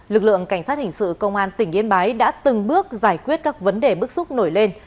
lực lượng cảnh sát hình sự công an tỉnh yên bái đã từng bước giải quyết các vấn đề bức xúc nổi lên